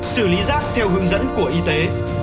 xử lý rác theo hướng dẫn của y tế